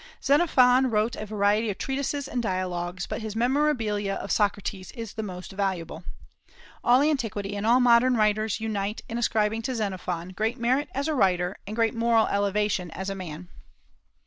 Xenophon wrote a variety of treatises and dialogues, but his "Memorabilia" of Socrates is the most valuable. All antiquity and all modern writers unite in ascribing to Xenophon great merit as a writer and great moral elevation as a man.